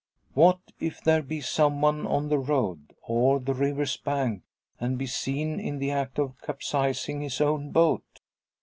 What if there be some one on the road, or the river's bank, and be seen in the act of capsizing his own boat?